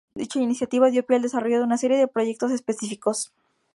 Dicha iniciativa dio pie al desarrollo de una serie de proyectos específicos.